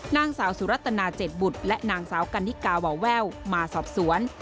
นางสาวสุรัตนาเจ็ดบุตรและนางสาวกันนิกาวาแว่วมาสอบสวน